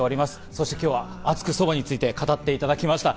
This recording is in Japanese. そして今日は熱くそばについて語っていただきました。